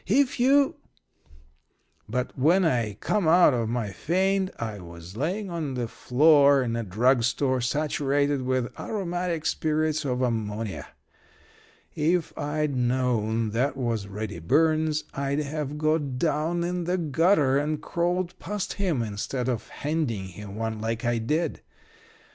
If you ' "But when I come out of my faint I was laying on the floor in a drug store saturated with aromatic spirits of ammonia. If I'd known that was Reddy Burns, I'd have got down in the gutter and crawled past him instead of handing him one like I did.